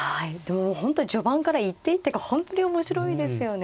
もう本当に序盤から一手一手が本当に面白いですよね。